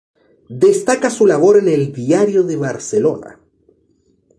Destaca su labor en el "Diario de Barcelona".